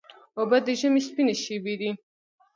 اوبه د ژمي سپینې شېبې دي.